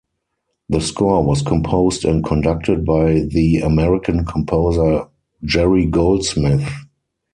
The score was composed and conducted by the American composer Jerry Goldsmith.